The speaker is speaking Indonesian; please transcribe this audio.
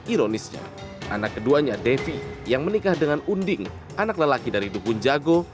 ironisnya anak keduanya devi yang menikah dengan unding anak lelaki dari dukun jago